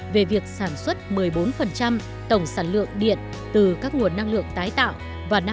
về việc sản xuất một mươi bốn tổng sản lượng điện từ các nguồn năng lượng tái tạo vào năm hai nghìn ba mươi